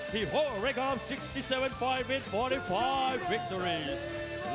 ตอนนี้มวยกู้ที่๓ของรายการ